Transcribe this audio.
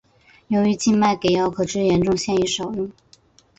由于静脉给药可致严重现已少用。